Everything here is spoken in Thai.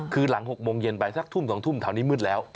คือหลัง๖โมงเย็นไปสักทุ่ม๒ทุ่มแถวนี้มืดแล้ว